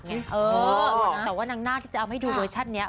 เนี่ยแต่ว่าหนักที่จะเอาให้ดูเวอร์ชันนี้